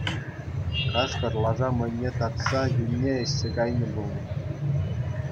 Кашкӑр лаша мӑйне татса юнне ӗҫсе кайнӑ пулнӑ.